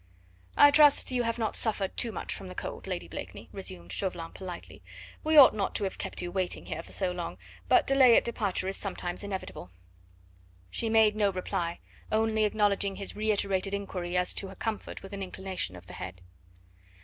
"I trust you have not suffered too much from the cold, Lady Blakeney," resumed Chauvelin politely; "we ought not to have kept you waiting here for so long, but delay at departure is sometimes inevitable." She made no reply, only acknowledging his reiterated inquiry as to her comfort with an inclination of the head.